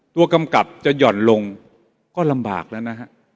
กำกับจะหย่อนลงก็ลำบากแล้วนะฮะ